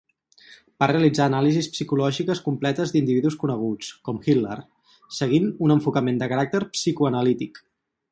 Va realitzar anàlisis psicològiques completes d'individus coneguts, com Hitler, seguint un enfocament de caràcter psicoanalític.